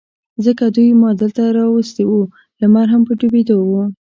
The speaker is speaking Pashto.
ځکه دوی ما دلته را وستي و، لمر هم په ډوبېدو و.